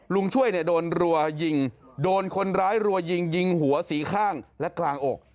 ลุงช่วยเนี่ยโดนรัวยิงโดนคนร้ายรัวยิงยิงหัวสีข้างและกลางอก